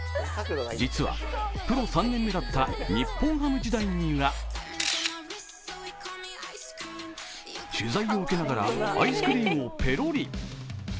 実はプロ３年目だった日本ハム時代には取材を受けながらアイスクリームをペロリ。